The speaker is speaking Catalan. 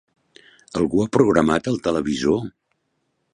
Algú ha programat el televisor?